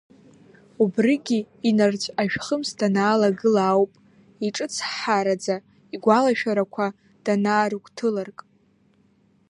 Убригьы инарцә ашәхымс данаалагыла ауп, иҿыцҳҳараӡа игәалашәарақәа данаарыгәҭыларк.